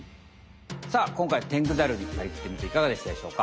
さあこんかいテングザルになりきってみていかがでしたでしょうか？